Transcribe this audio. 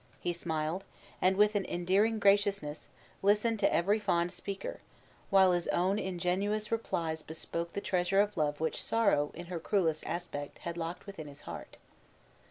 He smiled; and, with an endearing graciousness, listened to every fond speaker; while his own ingenuous replies bespoke the treasures of love which sorrow, in her cruelest aspect, had locked within his heart.